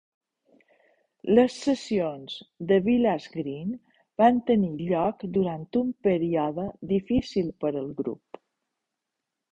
Les sessions de "Village Green" van tenir lloc durant un període difícil per al grup.